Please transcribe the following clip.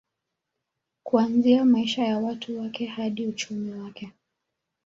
Kuanzia maisha ya watu wake hadi uchumi wake